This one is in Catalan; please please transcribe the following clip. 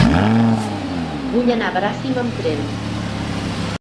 Vull anar a Bràfim amb tren.